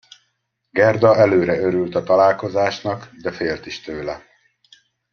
Gerda előre örült a találkozásnak, de félt is tőle.